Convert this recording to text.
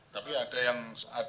tapi ada yang